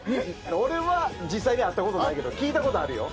俺は実際に会ったことないけど聞いたことあるよ。